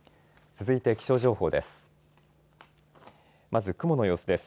続いて気象情報です。